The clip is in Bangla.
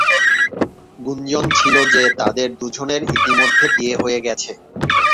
গুঞ্জন ছিল যে তাদের দুজনের ইতিমধ্যে বিয়ে হয়ে গেছে।